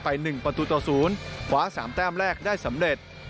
๑ประตูต่อ๐คว้า๓แต้มแรกได้สำเร็จ